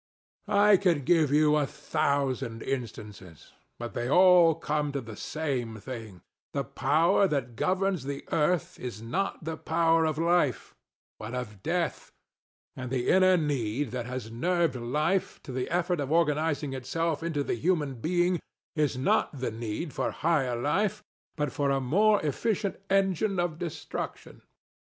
I could give you a thousand instances; but they all come to the same thing: the power that governs the earth is not the power of Life but of Death; and the inner need that has nerved Life to the effort of organizing itself into the human being is not the need for higher life but for a more efficient engine of destruction.